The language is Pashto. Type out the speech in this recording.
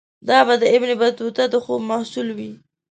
دا به د ابن بطوطه د خوب محصول وي.